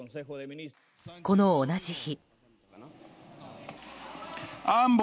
この同じ日。